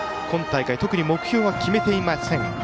今大会特に目標は決めていません